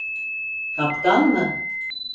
Kaptan mı?